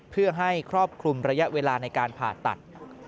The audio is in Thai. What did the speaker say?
เพื่อให้ครอบคลุมระยะเวลาในการผ่าตัด